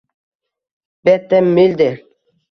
Bette Milder